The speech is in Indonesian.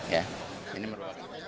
ya ini merupakan